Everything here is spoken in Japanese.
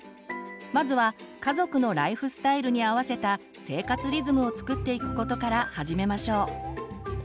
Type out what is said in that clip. まずは家族のライフスタイルに合わせた生活リズムをつくっていくことから始めましょう。